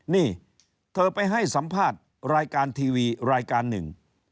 นี่เธอไปให้สัมภาษณ์รายการทีวีรายการหนึ่ง